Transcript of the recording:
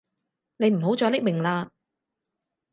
你唔好再匿名喇